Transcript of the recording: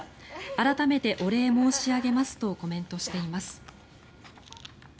改めてお礼申し上げますとコメントしています。